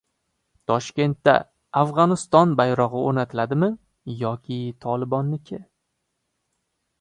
Toshkentda Afg‘oniston bayrog‘i o‘rnatiladimi yoki "Tolibon"niki?